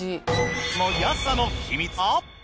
その安さの秘密は！